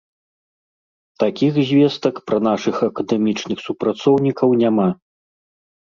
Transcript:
Такіх звестак пра нашых акадэмічных супрацоўнікаў няма.